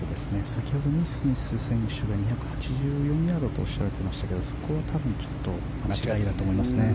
先ほどニースミス選手が２８４ヤードとおっしゃられてましたがそこは多分、間違いだと思いますね。